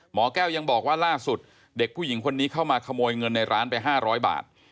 หมอแก้วยังบอกว่าล่าสุดเด็กผู้หญิงคนนี้เข้ามาขโมยเงินในร้านไป๕๐๐บาท